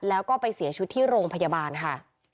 แล้วก็ไปเสียชีวิตที่โรงพยาบาลค่ะ